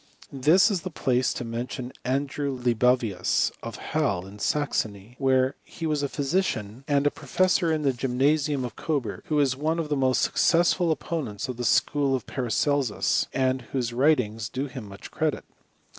This is the place to mention Andrew LibaviuSy of^ Hallei in Saxony^ where he wsis a physician^ and ^ CHXMISTRT OF PARACELSUS. 175 profesBOT in the gymnasium of Coburg, T^ho was one of the most successful opponents of the school of Para celsus, and whose writings do him much credit.